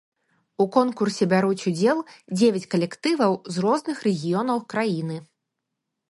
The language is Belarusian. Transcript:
У конкурсе бяруць удзел дзевяць калектываў з розных рэгіёнаў краіны.